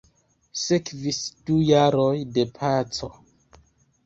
Sekvis du jaroj de paco.